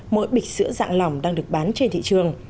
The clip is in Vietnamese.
mỗi bịch sữa dạng lỏng đang được bán trên thị trường